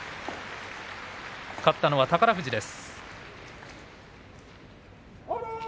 勝ったのは宝富士です。